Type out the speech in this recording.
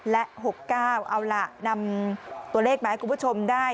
และ๖๙เอาล่ะนำตัวเลขมาให้คุณผู้ชมได้